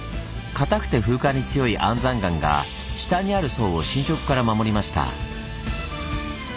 かたくて風化に強い安山岩が下にある層を侵食から守りました。